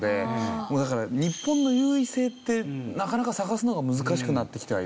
もうだから日本の優位性ってなかなか探すのが難しくなってきてはいますね。